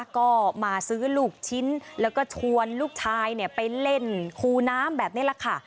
ก็มาซื้อลูกชิ้นแล้วก็ชวนลูกชายไปเล่นคูน้ำแบบนี้แหละค่ะ